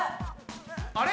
あれ？